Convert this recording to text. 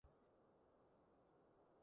你踩到我呀